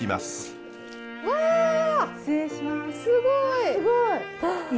すごい！